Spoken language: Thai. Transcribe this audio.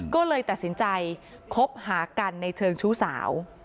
ก็เลยตัดสินใจคบหากันในเชิงชู้สาว